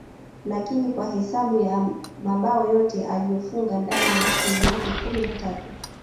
lakini kwa hesabu ya mabao yote aliyofunga ndani ya misimu yake kumi na tatu